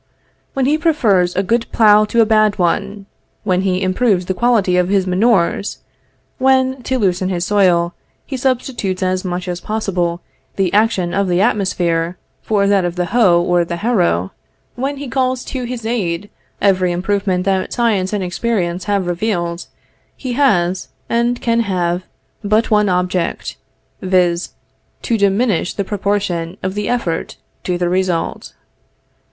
When he prefers a good plough to a bad one, when he improves the quality of his manures; when, to loosen his soil, he substitutes as much as possible the action of the atmosphere for that of the hoe or the harrow; when he calls to his aid every improvement that science and experience have revealed, he has, and can have, but one object, viz., to diminish the proportion of the effort to the result.